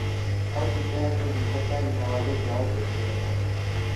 ئەو تیپە یان ئەو گرووپە کاری ناوازە و جیاواز پێشکەش دەکات